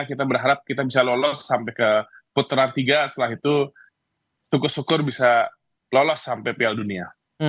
kita berharap kita bisa lolos sampai ke putaran tiga setelah itu tuku syukur bisa lolos sampai piala dunia